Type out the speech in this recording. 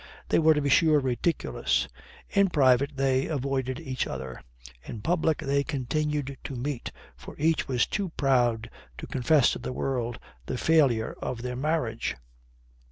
They were, to be sure, ridiculous. In private they avoided each other. In public they continued to meet, for each was too proud to confess to the world the failure of their marriage.